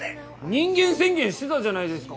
人間宣言してたじゃないですか！